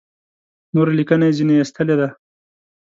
نوره لیکنه یې ځنې ایستلې ده.